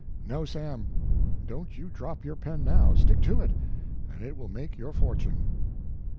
No, Sam, don t you drop your pen now, stick to it, and it will make your fortune."